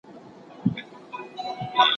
تیارې به د قرنونو وي له لمره تښتېدلي